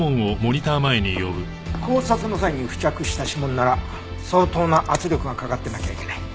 絞殺の際に付着した指紋なら相当な圧力がかかってなきゃいけない。